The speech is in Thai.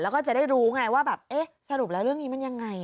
แล้วก็จะได้รู้ไงว่าสรุปแล้วเรื่องนี้มันอย่างไร